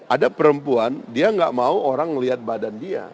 ada perempuan dia gak mau orang melihat badan dia